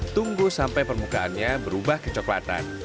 tunggu sampai permukaannya berubah kecoklatan